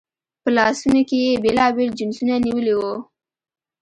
په لاسونو کې یې بېلابېل جنسونه نیولي وو.